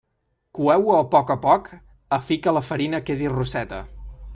Coeu-ho a poc a poc, a fi que la farina quedi rosseta.